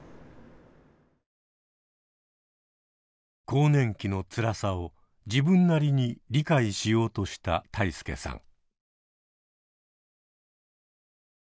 更年期のつらさを自分なりに理解しようとした泰亮さん。